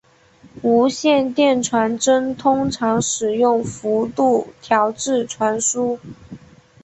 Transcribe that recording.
无线电传真通常使用幅度调制传输。